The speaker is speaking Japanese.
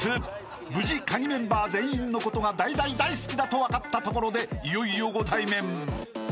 ［無事カギメンバー全員のことが大大大好きだと分かったところでいよいよご対面！］